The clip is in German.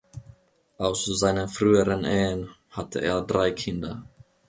Aus seinen früheren Ehen hatte er drei Kinder.